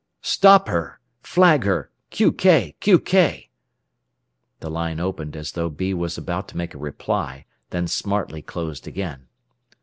"Stop her! Flag her! Qk! Qk!" The line opened, as though "B" was about to make a reply, then smartly closed again.